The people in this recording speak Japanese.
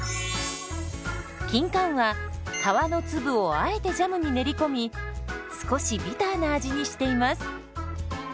キンカンは皮の粒をあえてジャムに練り込み少しビターな味にしています。